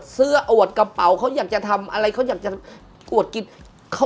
เสื้ออวดกระเป๋าเขาอยากจะทำอะไรเขาอยากจะอวดกิน